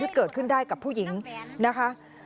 เกิดขึ้นได้กับผู้หญิงนะคะ